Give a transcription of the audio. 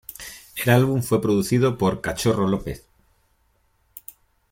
El álbum fue producido por Cachorro López.